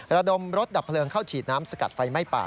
ระดมรถดับเพลิงเข้าฉีดน้ำสกัดไฟไหม้ป่า